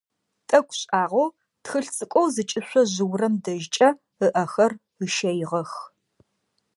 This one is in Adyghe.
Тӏэкӏу шӏагъэу тхылъ цӏыкӏоу зыкӏышъо жъыурэм дэжькӏэ ыӏэхэр ыщэигъэх.